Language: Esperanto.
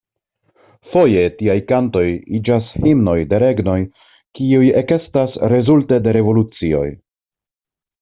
Foje tiaj kantoj iĝas himnoj de regnoj, kiuj ekestas rezulte de revolucioj.